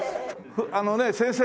あのね先生